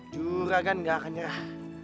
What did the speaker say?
juragan gak akan nyerah